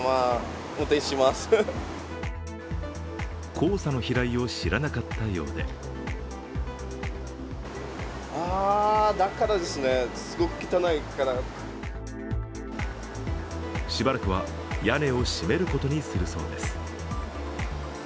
黄砂の飛来を知らなかったようでしばらくは屋根を閉めることにするそうです。